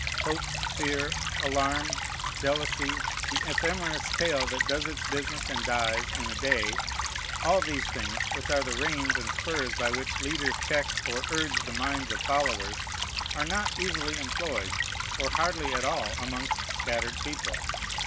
Hope, fear, alarm, jealousy, the ephemerous tale that does its business and dies in a day, all these things, which are the reins and spurs by which leaders check or urge the minds of followers, are not easily employed, or hardly at all, amongst scattered people.